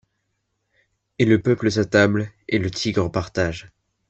Et le peuple s’attable, et le tigre partage.